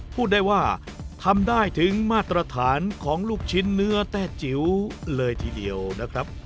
พูดได้ว่าทำได้ถึงมาตรฐานของลูกชิ้นเนื้อแต้จิ๋วเลยทีเดียวนะครับ